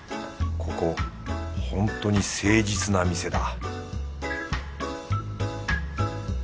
ここほんとに誠実な店だ